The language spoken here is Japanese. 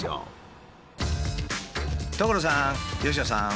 所さん佳乃さん。